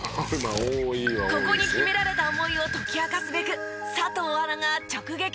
ここに秘められた思いを解き明かすべく佐藤アナが直撃！